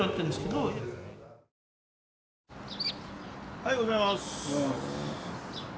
おはようございます。